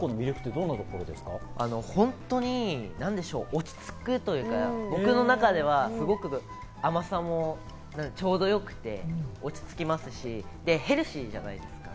落ち着くというか、僕の中ではすごく甘さもちょうど良くて落ち着きますし、ヘルシーじゃないですか。